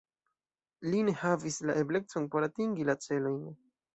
Li ne havis la eblecon por atingi la celojn.